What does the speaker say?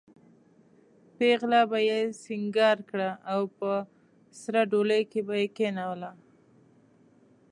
پېغله به یې سینګاره کړه او په سره ډولۍ کې به یې کېنوله.